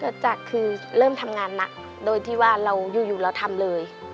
จากคือเริ่มทำงานหนักโดยที่ว่าเราอยู่เราทำเลย